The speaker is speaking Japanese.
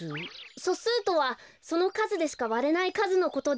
そすうとはそのかずでしかわれないかずのことで。